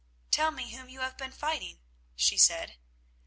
"Tell me whom you have been fighting," she said.